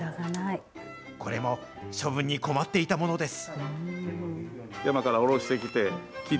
これも処分に困っていたものです。